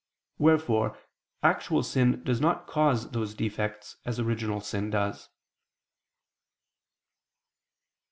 Wherefore actual sin does not cause those defects, as original sin does.